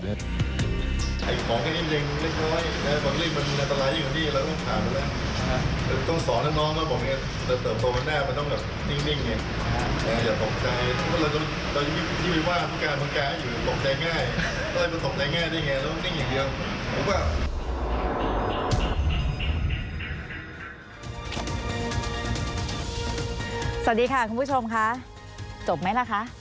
ให้ของให้ยิ่งกว้าย